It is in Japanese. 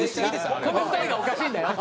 この２人がおかしいんだよと。